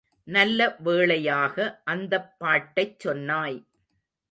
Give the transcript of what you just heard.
நல்ல வேளையாக அந்தப் பாட்டைச் சொன்னாய்.